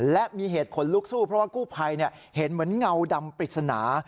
และมีเหตุขนลุกสู้เพราะว่ากู้ภัยเห็นเหมือนเงาดำปริศนา